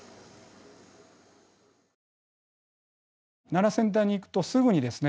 奈良先端に行くとすぐにですね